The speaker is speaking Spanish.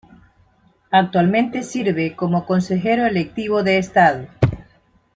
Actualmente sirve como Consejero electivo de Estado.